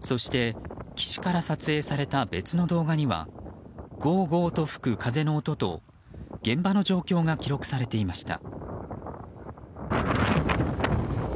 そして、岸から撮影された別の動画にはゴーゴーと吹く風の音と現場の状況が記録されていました。